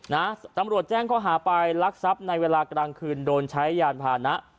นะตำรวจแจ้งข้อหาไปลักทรัพย์ในเวลากลางคืนโดนใช้ยานพานะ